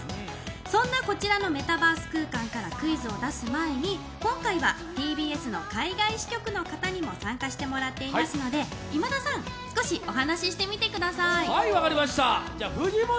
そんなこちらのメタバース空間からクイズを出す前に今回はＴＢＳの海外支局の方にも参加してもらっていますので今田さん、少しお話ししてみてください。